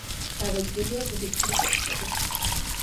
დაბეჭდილია ბუდისტური ტექსტები.